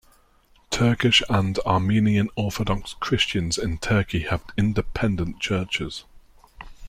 Turkish and Armenian Orthodox Christians in Turkey have independent Churches.